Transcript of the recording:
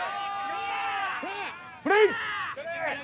プレー！